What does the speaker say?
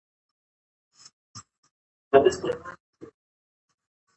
پردی پوځ دلته ماتې خوري.